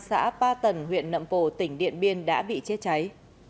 xã ba tần huyện nậm pồ tỉnh điện biên đã bị chết cháy